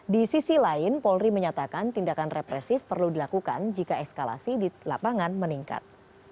di sisi lain polri menyatakan tindakan represif perlu dilakukan jika eskalasi di lapangan meningkat